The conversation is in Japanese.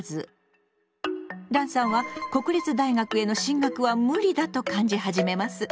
ランさんは国立大学への進学は無理だと感じ始めます。